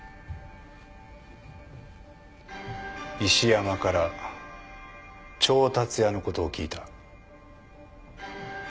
石山から調達屋のことを聞いた。